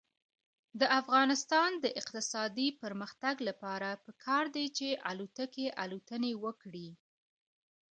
د افغانستان د اقتصادي پرمختګ لپاره پکار ده چې الوتکې الوتنې وکړي.